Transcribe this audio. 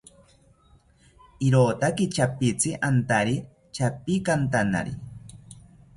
Irotaki chapitzi antari chapikantanari